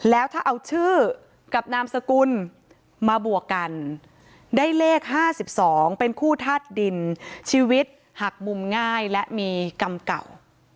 แล้วถ้าเอาชื่อกับนามสกุลมาบวกกันได้เลข๕๒เป็นคู่ธาตุดินชีวิตหักมุมง่ายและมีกรรมเก่า